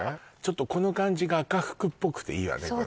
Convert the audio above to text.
ちょっとこの感じが赤福っぽくていいわね